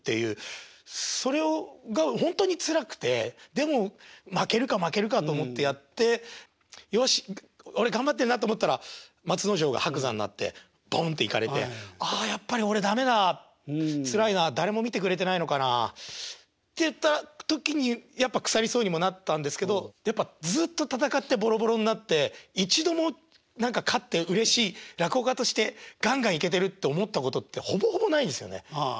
それがほんとにつらくてでも負けるか負けるかと思ってやってよし俺頑張ってるなと思ったら松之丞が伯山になってポンッていかれてあやっぱり俺駄目だつらいな誰も見てくれてないのかなっていった時にやっぱ腐りそうにもなったんですけどずっと戦ってボロボロになって一度も何か勝ってうれしい落語家としてガンガンいけてるって思ったことってほぼほぼないんですよね。